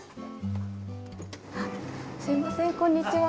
すみませんこんにちは。